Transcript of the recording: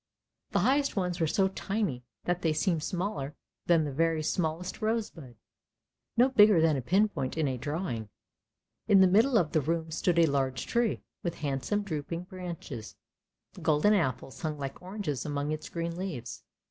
The highest ones were so tiny that they seemed smaller than the very smallest rosebud, no bigger than a pinpoint in a drawing. In the middle of the room stood a large tree, with handsome drooping branches; golden apples, hung like oranges among its green leaves.